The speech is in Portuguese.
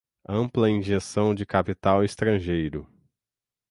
ampla injeção de capital estrangeiro